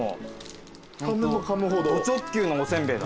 ド直球のおせんべいだ。